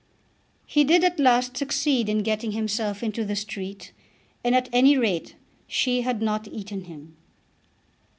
He did at last succeed in getting himself into the street, and at any rate she had not eaten him.